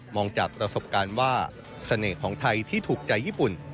จากประสบการณ์ว่าเสน่ห์ของไทยที่ถูกใจญี่ปุ่น